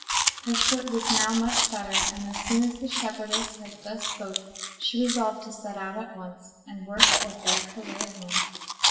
—Her foot was now much better; and as soon as the shepherdess had thus spoken, she resolved to set out at once, and work or beg her way home.